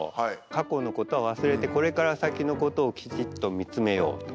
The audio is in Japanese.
過去のことは忘れてこれから先のことをきちっと見つめようと。